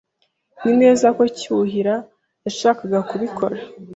Nzi neza ko Cyuhira yashakaga kubikora.